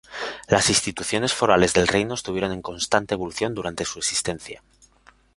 Las instituciones forales del reino estuvieron en constante evolución durante su existencia.